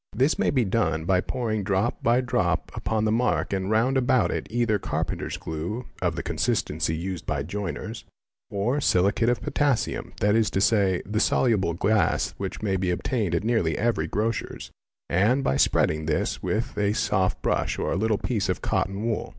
'This may be done by pouring drop by drop upon the mark and round about it either carpenter's glue (of the — consistency used by joiners) or silicate of potassium, that is to say, the — soluble glass which may be obtained at nearly every grocer's, and by spreading this with a soft brush or a little piece of cotton wool.